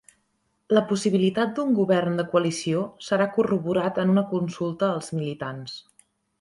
La possibilitat d'un govern de coalició serà corroborat en una consulta als militants